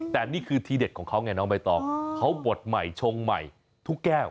แต่นี่คือทีเด็ดของเขาไงน้องใบตองเขาบดใหม่ชงใหม่ทุกแก้ว